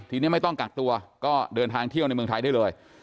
ทีนี้ไม่ต้องกักตัวก็เดินทางเที่ยวในเมืองไทยได้เลย